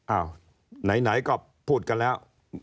อ้าวไหนก็พูดกันแล้ว